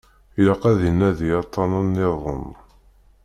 Ilaq ad inadi aṭṭanen nniḍen.